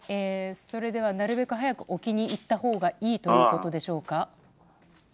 それでは、なるべく早く沖に行ったほうがいいということでしょうか。